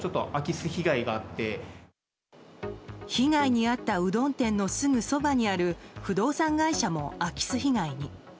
被害に遭ったうどん店のすぐそばにある不動産会社も空き巣被害に。